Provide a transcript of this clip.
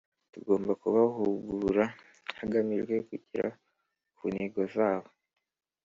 tugomba kubahugura hagamijwe kugera ku ntego za bo